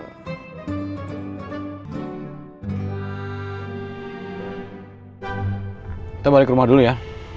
kita balik ke rumah dulu ya